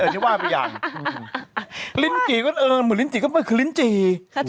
ที่ว่าไปอย่างลิ้นจี่ก็เออเหมือนลิ้นจี่ก็คือลิ้นจี่